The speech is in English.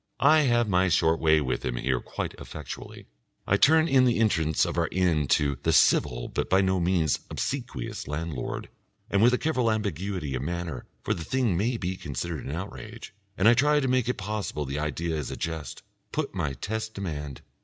I have my short way with him here quite effectually. I turn in the entrance of our inn to the civil but by no means obsequious landlord, and with a careful ambiguity of manner for the thing may be considered an outrage, and I try to make it possible the idea is a jest put my test demand....